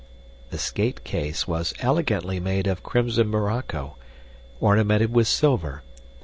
The skate case was elegantly made of crimson morocco, ornamented with silver.